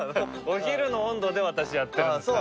お昼の温度で私やってるんですから。